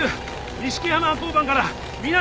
錦山交番から南大津署。